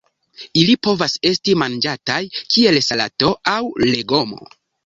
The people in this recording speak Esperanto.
Ili povas esti manĝataj kiel salato aŭ legomo.